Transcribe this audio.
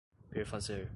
perfazer